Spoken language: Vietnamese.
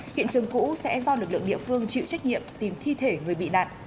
hiện trường cũ sẽ do lực lượng địa phương chịu trách nhiệm tìm thi thể người bị nạn